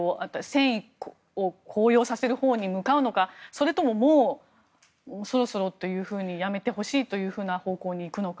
戦意を高揚させるほうに向かうのかそれとも、もうそろそろとやめてほしいという方向に行くのか。